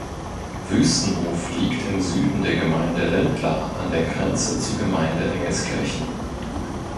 Wüstenhof liegt im Süden der Gemeinde Lindlar an der Grenze zur Gemeinde Engelskirchen.